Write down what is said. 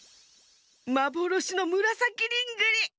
まぼろしのむらさきリングリ！